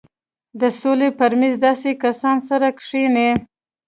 د سولې پر مېز داسې کسان سره کښېني.